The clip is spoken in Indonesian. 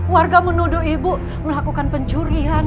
warga menuduh ibu melakukan pencurian